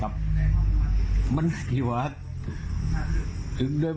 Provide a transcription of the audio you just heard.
หลายต่อหลายครั้งหน่อย